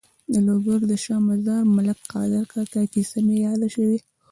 د لوګر د شا مزار ملک قادر کاکا کیسه مې یاده شوه.